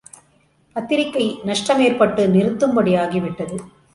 பத்திரிக்கை நஷ்டம் ஏற்பட்டு நிறுத்தும்படி ஆகிவிட்டது.